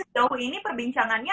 tapi sejauh ini perbincangannya